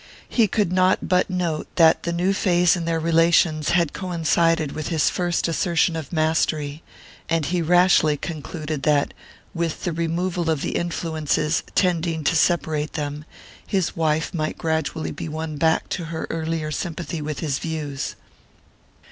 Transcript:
He could not but note that the new phase in their relations had coincided with his first assertion of mastery; and he rashly concluded that, with the removal of the influences tending to separate them, his wife might gradually be won back to her earlier sympathy with his views.